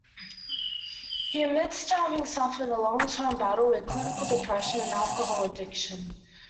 He admits to having suffered a long-term battle with clinical depression and alcohol addiction.